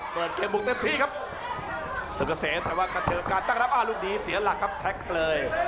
เปิดเครียมมุมเต็มที่ครับสุกเกษตร์ถ้าว่ากระเทียบการตั้งรับอ้าวลูกดีเสียหลักครับแท็กเลย